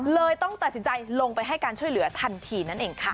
เลยต้องตัดสินใจลงไปให้การช่วยเหลือทันทีนั่นเองค่ะ